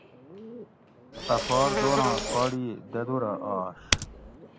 غفار دوراں کڑ ئ ددورہ آش